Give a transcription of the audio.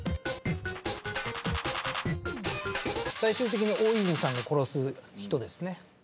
最終的に大泉さんが殺す人ですね。